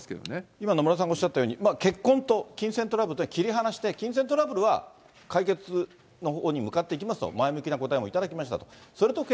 今、野村さんがおっしゃったように、結婚と金銭トラブルというのは切り離して、金銭トラブルは解決の方向に向かっていきますと、前向きな答えも頂きましたと。